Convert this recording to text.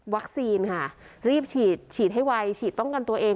ค่ะรีบฉีดฉีดให้ไวฉีดป้องกันตัวเอง